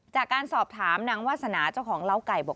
จากการสอบถามนางวาสนาเจ้าของเล้าไก่บอก